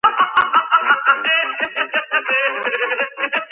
ფილმი ასახავს პროვინციულ სახალხო თეატრში შექმნილ ტრაგი–კომიკურ სიტუაციას.